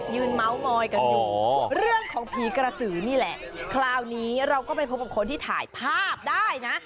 เมาส์มอยกันอยู่เรื่องของผีกระสือนี่แหละคราวนี้เราก็ไปพบกับคนที่ถ่ายภาพได้นะ